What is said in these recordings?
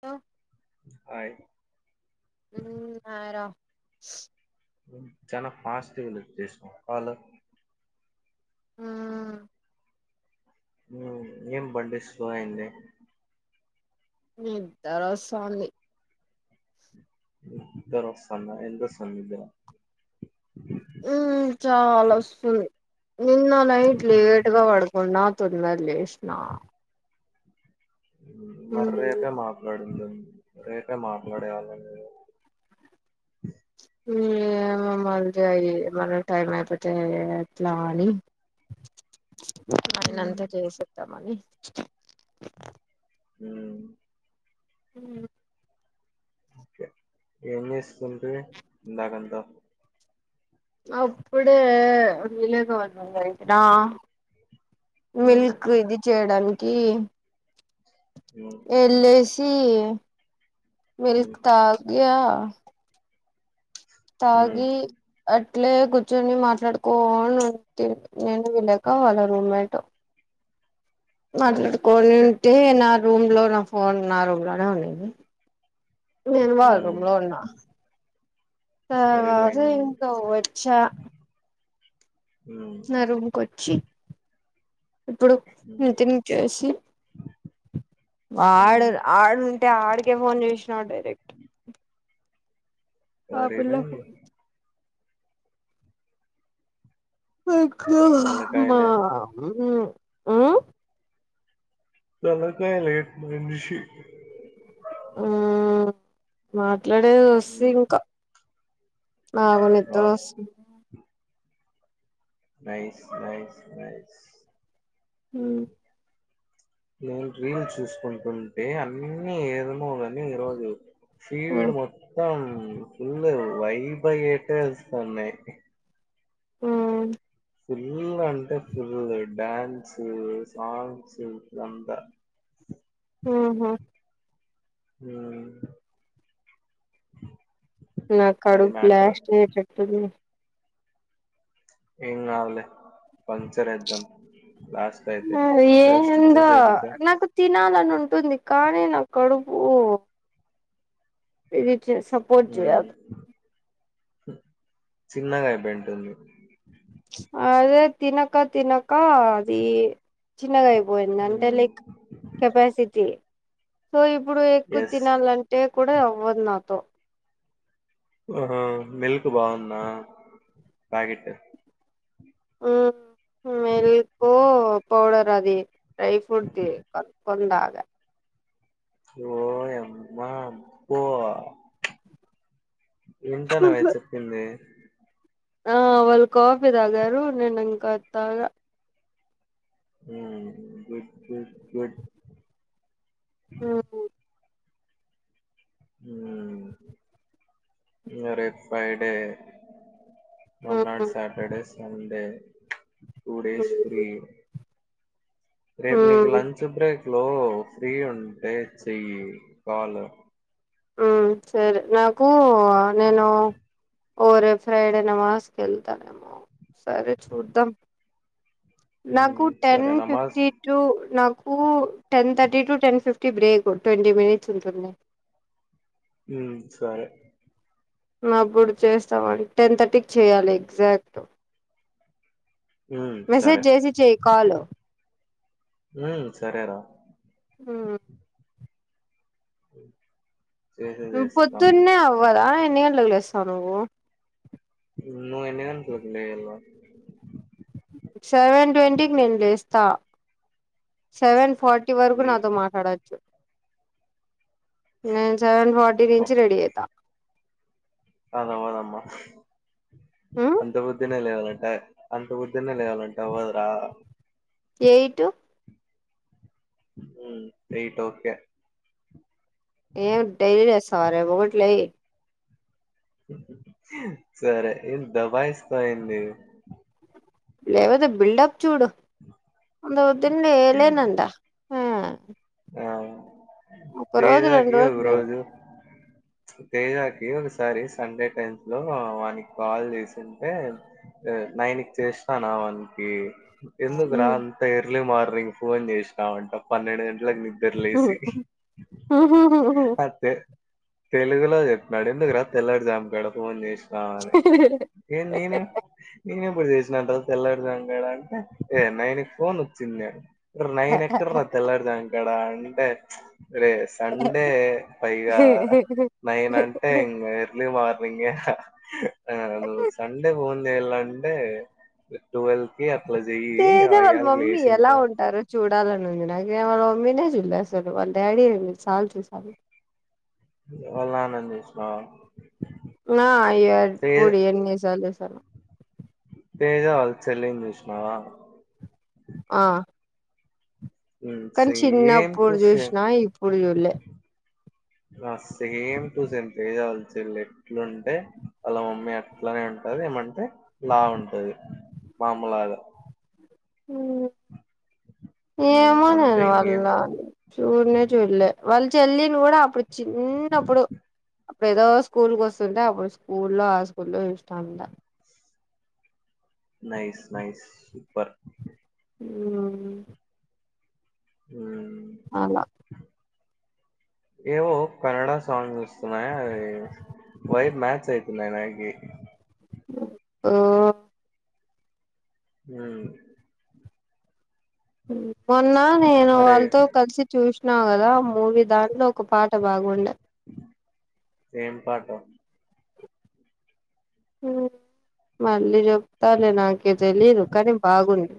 తో ఆయ్ ఉమ్ న్నారా చానా ఫస్టుగా లీబ్ జేశనవ్ హాలో హుహ్ ఉమ్ ఏం బండి స్లో అయింది. నిద్దరస్సాంది నిద్దరొస్సాంద ఎంతొస్సాంది నిద్దర చాలా వస్తుంది నిన్న నైట్ ఉహు. లేటుగ పడుకున్నా తొందర్ లేష్నా మర్ రేపె మాట్లాడుండడి రేపే మాట్లాడేయాలే మీరు ఊ ఏమో మద్య ఇది మళ్ళ టైం అయి పోతే ఎట్లా అని ఉమ్, ఐనంత చేసేద్దామని ఊ ఊ ఒకే ఏం చేస్తుంట్రీ ఇందాకంత అప్పుడే వీళ్లయ్ గోన్ని ఉన్నయ్ రా ఉమ్, మిల్కు ఇది చేయడానికీ ఉమ్, వెళ్లేస్ టీ ఉమ్, మిల్క్ తాగ్యా ఉమ్, తాగీ అట్ అట్లే కూచ్చోని మాట్లాడుకోనుంటిమి నేను విలేక ఆళ్ళ రూమ్మేటు ఓ- ఓకే మాట్లాడుకోవలంటే నాక్ రూమ్ లో నా ఫోన్ నా రూమ్ లోనే ఉన్నింది నేను వాల్ ఉమ్, రూమ్లో ఉన్నా తర్వాత సరిపోయిందండి ఇంక వచ్చా ఉమ్, నా రూమ్ కొచ్చి ఇప్పుడు ఉమ్, నటిని చేసి ఉమ్, వాడు రాడు టె ఆడికే ఫోన్ చేషిన డైరెక్ట్ ఆ పిల్ల సరిపోయింది ఫోను ఇంక మా తలకాయలే ఊ ఉ తల కాయ్ లేట్ మనిషి మాట్లాడేది వస్సు ఇంకా నాకు వావ్ నిద్దరొస్సుంది నైస్ నైస్ నైస్ ఊ నేను రీల్ చూసుకుంటుంటే అన్నీ ఏమో గని ఈ రోజు ఉమ్ ఫీడు మొత్తం ఫుల్లు వైబయ్యేటె వస్తున్నయ్ ఆ ఫుల్ అంటే ఫుల్ డ్యాన్స్ సాంగ్స్ ఇట్ల అంతా ఆహా ఊ నా కడుపు బ్లాస్ట్ ఐయటట్టుంది ఏం కాదు లే పంక్చర్ ఎదం అ ఏందో ఏపిద్దాం నాకు తినాలన్ ని ఉంటుంది కానీ నా కడుపు ఇది చే సపోర్ట్ మ్మ్ చేయలి చిన్నగా అయిబయి ఉంటుంది అదే తినక తినక అది చిన్నగయ్ పోయింది అంటే మ్మ్ లైక్ కెపాసిటీ సో ఇప్పుడు ఎక్కువ ఎస్ తినాలంటే కూడా అవ్వదు నాతో ఓహో మిల్క్ బాగుందా ప్యాకెటు హు మెల్కు పౌడర్ అది డ్రై ఫ్రూట్ ది కొండా గా ఓ యమ్మా బో వింటానవే చెప్పింది ఆ వాళ్ళు కాఫీ తాగారు నేను ఇంకా తాగా హు గుడ్ గుడ్ గుడ్ హ్ హు హ్ ఇంగ రేప్ ఫ్రైడే మరునాడు ఉమ్ Saturday, Sunday two days free హ్మ్ రేపు నీకు హ్మ్ లంచ్ బ్రేక్ లో ఫ్రీ ఉంటే చెయ్యి కాల్ ఆ సరే నాకు నేను ఓ రే ఫ్రైడే నమాజ్ కెల్తానేమో సరే చూద్దాం నాకు హ్మ్. టెన్ సరే నమాజ్ ఫిఫ్టీ టు నాక్ కు ten thirty to, ten fifty break twenty minutes ఉంటుంది హు సరే నువ్ అప్పుడు చేస్తావా టెన్ థర్టీకి చేయాలి ఎగ్జాక్ట్ హ్మ్. సరే. మెసేజ్ చేసి చెయి కాల్ ఉమ్ సరే రా హు అ నువ్ పొద్దున్నే అవ్వదా ఎన్ని గంటకి లేస్తావు నువ్వు నువ్ ఎన్ని గంటలకి లేయల సెవెన్ ట్వంటీకి నేను లేస్తా సెవెన్ ఫార్టీ వరకు నీ నాతో మాట్లాడొచ్చు నేన్ సెవెన్ ఫార్టీ ఓ, నుంచి రెడీ అయితా హ్మ్. అంత పొద్దున్నే లేవాలా టే అంత పోద్దునే లేవాలంటవ్ కదా రా ఎయిట్ ఎయిట్ ఓకే ఏం డై లేస్తావా రేప్ ఒకటి లేయి సరే ఏం దాభాయిస్తావ్ ఏంది లేవాతే బిల్డప్ చూడు అంత పొద్దున్నే ఏ లే నంటా ఆ ఒక రోజు తేజా రెండు కి ఒక రోజులు రోజు తేజాకి ఒకసారి సండే టైమ్స్ లో వానికి కాల్ చేసింటే నైన్ కి చేసినాన వానికి ఎందుకురా అంత ఎర్లీ మార్నింగ్ ఫోన్ చేసినామంట పన్నెండు గంటలకి ని నిద్ర లేసి తెలుగులో చెప్తున్నాడు ఎందుకు రా తెల్లడుజాం కాడ ఫోన్ చేస్ రా అని నేను ఎప్పుడు చేసినాన్ రా తెల్లడుజాం కాడ అంటే ఏ నైన్ ఫోన్ వచ్చింది. ఓర్ నైన్ ఎక్కడ రా తెల్లార్ జామ్ కాడ అంటే రే సండే పైగా నైన్ అంటే ఇంగ ఎర్లీ మార్నింగ్ ఏ హా ఆ నువ్ సండే ఫోన్ చేయాల అంటే ట్వల్కి అ అట్ల జెయ్యి ఆయ్యాల్కి లేసింత చూడాలనుంది నాకి వాళ్ళ మమ్మీనే జూల్య అసలు వాళ్ళ్ డాడీ ఎన్ని సార్లు చూసానో వాళ్ళ్నాని జూస్నావా నా ఎబ్బుడు ఎన్ని సార్లు జూశానో తేజా వాళ్ళ్ చెళ్ళిన్ జూష్నావా ఆ ఉమ్, కానీ సేమ్ చిన్నప్పుడు టు సేమ్ జూష్నా ఇప్పుడు జూల్లే ఆ సేమ్ టూ సేమ్ తేజ వాళ్ళ్ చెళ్ళెట్లుంటే ఎట్లుంటే వాళ్ళ మమ్మీ అట్లనే ఉంటది ఏమంటే లావుంటది మా అమ్మ లాగ ఊ ఉమ్ ఏమో నేన్ అంతే వాళ్ళ్ ఇంకేం డాడి చూన్నే చూల్యా వాళ్ళ్ చెల్లిని గూడా అప్పుడు చిన్నప్పుడు అప్పుడేదో స్కూల్కొస్తుంటే అబ్బుడు స్కూల్లో ఆ స్కూల్లో జూష్నా అంద నైస్ నైస్ సూపర్ ఊ ఊ [inaudible] ఏవో కన్నడ సాంగ్ వస్తున్నాయా అవి వైర్ మ్యాచ్ అయితున్నాయ్ నాకి ఓ ఉ ఉ మొన్నా నేను అరే వాళ్తో కలిసి చూష్నా గదా మూవీ దాంట్లో ఒక పాట బాగుండ ఏం పాటొ ఉ మళ్ళీ జొప్తా లే నాకే తెలీదు కానీ బాగుంది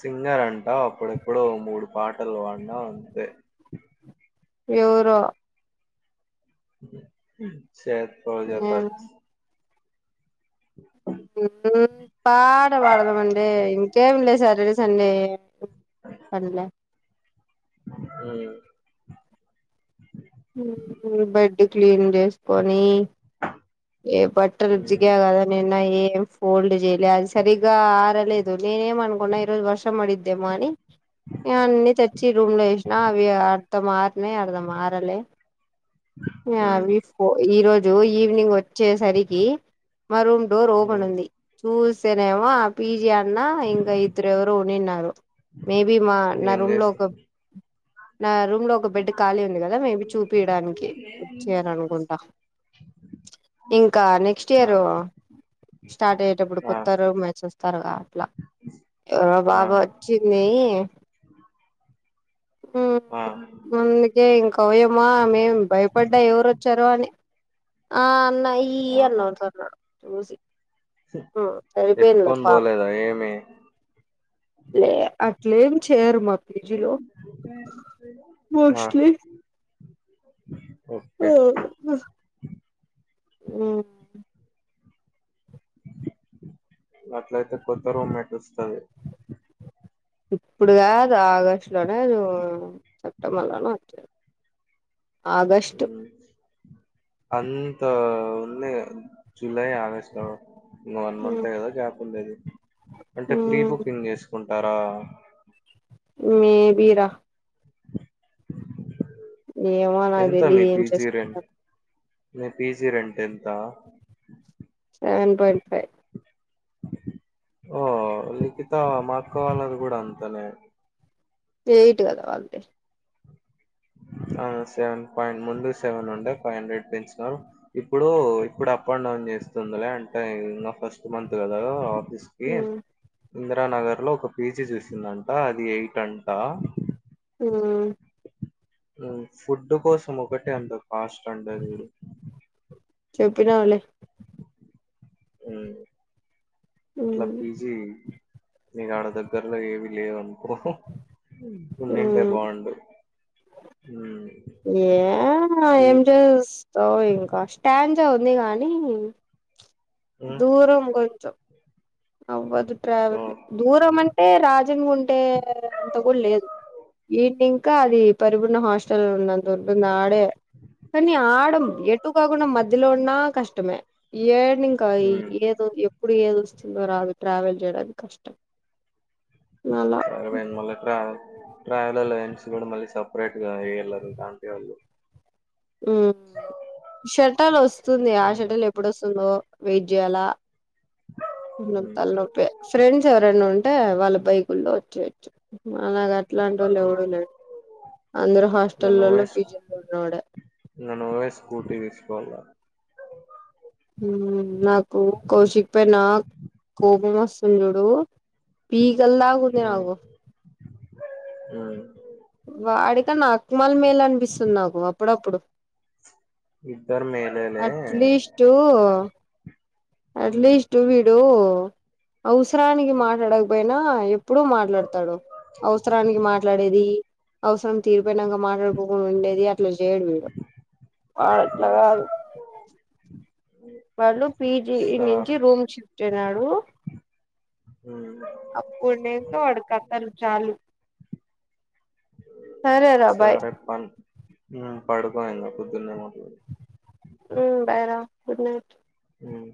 సింగర్ అంటావ్ అప్పుడెప్పుడో మూడు పాటలు బాన్నావ్ అంతే ఎవ్ రో శర్ పోజ నేను కచ్ [unintelligible] ఉ ఊ పాట పాడదామంటే ఇంకేమ్ లే సాటర్డే సండే అన్ డ్లా ఉమ్ బెడ్డు క్లీనింగ్ ఏస్కొని ఏ బట్టలు ఉమ్ జిగ్యా గదా నిన్నా ఏ ఏమ్ ఫోల్డ్ జేయ్ ల్యా అది సరిగ్గా ఆరలేదు నేనేమనుకున్నా ఈరోజు వర్షం బడిద్దేమొ అని ఇగ అన్నీ తెచ్చి రూమ్ లో ఏస్నా అవి అర్థం ఆరినాయ్ అర్దం ఆరలే ఉమ్ ఇంగవి ఫో ఈరోజు ఈవినింగ్ వొచ్చేసరికి మా రూమ్ డోర్ ఉమ్ ఓపనుంది చూస్ స్తే నేమొ ఆ పిజీ అన్న ఇంగ ఇద్దురెవరో ఉన్నిన్నారు మేబీ మా నా ఏం రూమ్ లో ఒక చేస్తావ్ నా రూమ్ లో ఒక బెడ్ ఖాళీ ఉంది గదా మేబీ చూపిడాన్కి వొచ్చారనుకుంటా ఇంక నెక్స్టి ఆ యరు స్టార్టయ్యేటప్పుడు ఆ కొత్తారు మ్యాచొస్తారు గా అట్ల ఎవరో ఆ బాప వచ్చింది ఊ ఆ మందుకే ఇంక ఓయప్ ఆ మేం భయపడ్డా ఎవరొచ్చారో అని ఆ అన్న ఈ అన్ ఆహా నవ్వుతన్నాడు చూసి కలిపోన్నా ఎత్తుకొని పారూ పోలేదా ఏమి [inaudible] లే అట్లెం చేయరు మా పీజీలో ఆ మోస్ట్లీ ఓకే ఆ ఆ అట్లయితే కొత్త రూమెట్ వస్తది ఇప్పుడు కాదు ఆగస్టు లోనే అది సెప్టెంబర్ లోనే వచ్చేది ఆగస్టు అంత ఉంది జులై ఆగస్ట్ ఇంక వన్ మంత్ కదా గ్యాప్ ఉండది అంటే ప్రీ బుకింగ్ చేసుకుంటా టరా మేబి ర ఏమో నాకు ఎంత మీ తెలీదు ఏం పిజీ చేసుకుంటారో రెంట్ నీ పీజీ రెంట్ ఎంతా సెవెన్ పాయింట్ ఫైవ్ ఓ లిఖిత మా అక్క వాళ్ళది కూడా అంతనే ఎయిట్ కదా వాళ్ళది ఆ సెవెన్ పాయింట్ ముందు సెవెన్ ఉండే ఫైవ్ హండ్రెడ్ పెంచున్నారు ఇప్పుడు ఇప్పుడు అప్ అండ్ డౌన్ చేస్తుందిలే అంటే ఇంకా ఫస్ట్ మంత్ కదా ఆఫీస్ కి ఇందిరానగర్ లో ఒక పీజీ చూసిందంట అది ఎయిట్ అంట ఉమ్ ఫుడ్డు కోసం ఒకటే అంత కాస్ట్ అండదు [inaudible] చెూప్పినవులే ఉమ్ అట్లా పీజీ నీకు ఆడ దగ్గర్లో ఏవి లేవునుకో ఉండుంటే బాగుండు హ ఏ ఏం చెస్ సో ఇంకా స్టాంజ ఉంది కానీ ఉమ్, దూరం కొంచం అవ్వదు ఓ, ట్రావెల్ దూరం అంటే రా మార్సింగ్ ఉంటే అంత కూడా లేదు ఈవినింగ్ ఇంకా అది పరిపూర్ణ హాస్టల్ ఉన్నంత ఉంటుంది ఆడే [inaudible] కానీ ఆడం ఎటు కాకుండా మధ్యలో ఉన్నా కష్టమే ఎడ్నింక ఉమ్, ఏదో ఎప్పుడు ఏది వస్తుందో రాదు ట్రావెల్ చేయడానికి కష్టం అలా సరిపోయింది మల్ల ట్రావెల్ ట్రావెలర్ కూడా మళ్ళీ సపరేట్ గా వెయ్యాలి లాంటి వాళ్ళు [inaudible] [unintelligible] ఉమ్ షర్టాలు వస్తుంది ఆ షర్టాలు ఎప్పుడు వస్తు [inaudible] వెయిట్ చేయాలా ఇంగ తలనొప్పి ఫ్రెండ్స్ ఎవరైనా ఉంటే వాళ్ళ బైకుల్లో వచ్చియచ్చు మనకి అట్లాంటి వాళ్ళు ఎవడు లేరు అందరు నువ్వే హాస్టల్లలో స్కూ ఫిజులు ఉన్నావాడి ఇంగ నువ్వే స్కూటీ తీసుకోవాల నాకు కౌశిక్ పైన కోపమస్తుండి చూడు పీకలదాకా ఉంది నాకు హ [unintelligible] నాక్మల్ మేల్ అనిపిస్తుంది నాకు అప్పుడప్పుడు. ఇద్దరు మేలేలే అట్లీస్టు ఉమ్ అట్లీస్ట్ వీడు అవసరానికి ఉమ్ మాట్లాడకపోయినా ఎప్పుడు మాట్లాడతాడు, అవసరానికి మాట్లాడేది. అవసరం తీరిపోయినాంక మాట్లాడుకోకుండా ఉండేది అట్లా చేయడు వీడు. వాడ్ అట్లాగాదు. వాళ్ళు పీజీ సార్ నుంచి రూమ్ షిఫ్ట్ అయినడు. ఉమ్ అప్పుడు నీతో వాడి కథాలు చాలు. సరే రా బాయ్ సరే పం, ఉమ్ పడుకో ఇగా పొద్దున్నే [unintelligible] ఉమ్ బాయ్ రా గుడ్ నైట్. ఉమ్